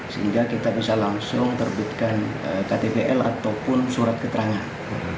sehingga kita bisa langsung terbitkan ktpl ataupun surat keterangan